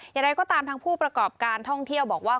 อย่างไรก็ตามทางผู้ประกอบการท่องเที่ยวบอกว่า